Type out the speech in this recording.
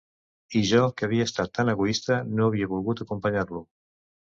I jo, que havia estat tan egoista, no havia volgut acompanyar-lo.